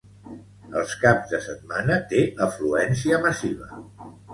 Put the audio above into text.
Els caps de setmana té afluència massiva.